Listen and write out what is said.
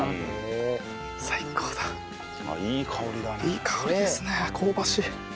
いい香りですね香ばしい。